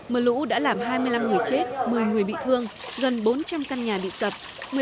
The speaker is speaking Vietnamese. mưa lũ đã làm hai mươi năm người chết một mươi người bị thương gần bốn trăm linh căn nhà bị sập